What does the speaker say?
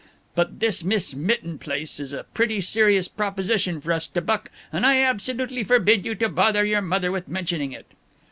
But this Miss Mitten place is a pretty serious proposition for us to buck, and I absolutely forbid you to bother your mother with mentioning it."